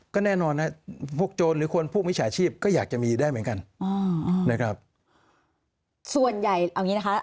ก็แน่นอนพวกโจรหรือคนพวกมิจฉาชีพก็อยากจะมีได้เหมือนกัน